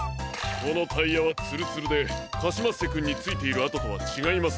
このタイヤはツルツルでカシマッセくんについているあととはちがいますね。